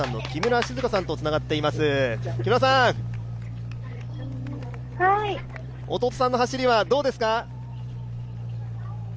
木村さん、弟さんの走りはどうですか？